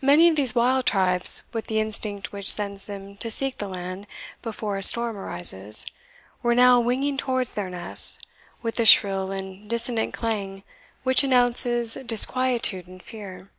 Many of these wild tribes, with the instinct which sends them to seek the land before a storm arises, were now winging towards their nests with the shrill and dissonant clang which announces disquietude and fear.